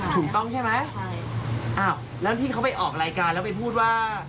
ถูกต้องใช่ไหมใช่อ้าวแล้วที่เขาไปออกรายการแล้วไปพูดว่า